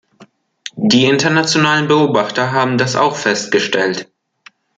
Die internationalen Beobachter haben das auch festgestellt.